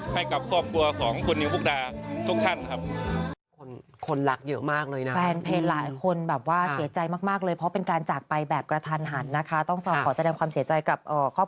ให้กับครอบครัวของคุณนิวมุกดาทุกท่านครับ